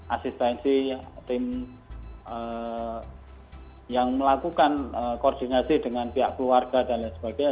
asistensi tim yang melakukan koordinasi dengan pihak keluarga dan lain sebagainya